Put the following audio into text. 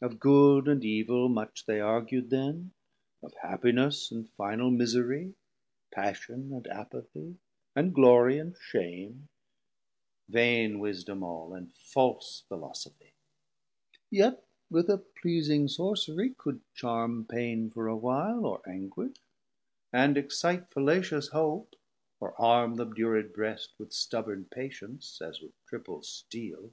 Of good and evil much they argu'd then, Of happiness and final misery, Passion and Apathie, and glory and shame, Vain wisdom all, and false Philosophie: Yet with a pleasing sorcerie could charm Pain for a while or anguish, and excite Fallacious hope, or arm th' obdured brest With stubborn patience as with triple steel.